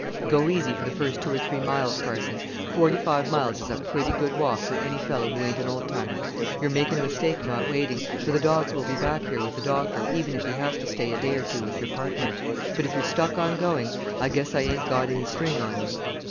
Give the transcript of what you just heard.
"Go easy for the first two or three miles, Parson; forty five miles is a pretty good walk for any fellow who ain't an old timer. You're making a mistake not waiting, for the dogs will be back here with the doctor, even if he has to stay a day or two with your partner; but if you're stuck on going, I guess I ain't got any string on you."